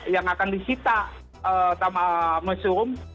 yang akan dihita oleh mesurum